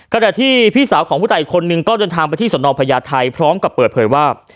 ขณะที่พี่สาวของผู้ตายอีกคนนึงก็เดินทางไปที่สนพญาไทยพร้อมกับเปิดเผยว่า